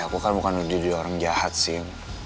aku kan bukan menurut diri orang jahat sih